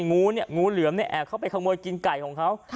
งูเนี่ยงูเหลือมเนี่ยแอบเข้าไปขโมยกินไก่ของเขา